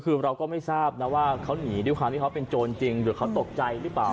คือเราก็ไม่ทราบนะว่าเขาหนีด้วยความที่เขาเป็นโจรจริงหรือเขาตกใจหรือเปล่า